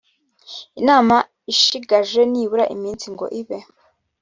inama ishigaje nibura iminsi ngo ibe